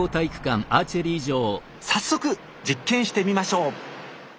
早速実験してみましょう！